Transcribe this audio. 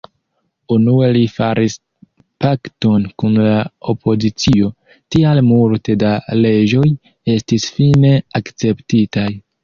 Unue li faris pakton kun la opozicio, tial multe da leĝoj estis fine akceptitaj.